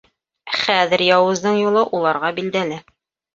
Хәҙер яуыздын юлы уларға билдәле.